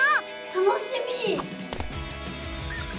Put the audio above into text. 楽しみ！